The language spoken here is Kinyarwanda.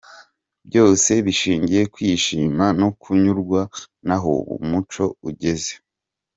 Byose bishingiye kwishima no kunyurwa naho umuco ugeze.